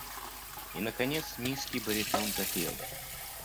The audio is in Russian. И наконец низкий баритон запел: